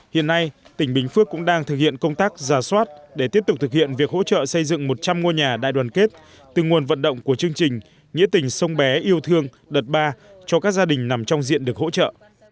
hiện nay tỉnh bình phước cũng đang thực hiện công tác giả soát để tiếp tục thực hiện việc hỗ trợ xây dựng một trăm linh ngôi nhà đại đoàn kết từ nguồn vận động của chương trình nghĩa tình sông bé yêu thương đợt ba cho các gia đình nằm trong diện được hỗ trợ